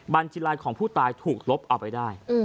บัญชีลายของผู้ตายถูกลบเอาไปได้